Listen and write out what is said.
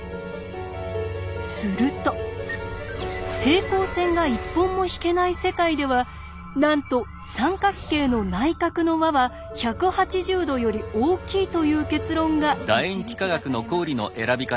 すると平行線が１本も引けない世界ではなんと三角形の内角の和は１８０°より大きいという結論が導き出されました。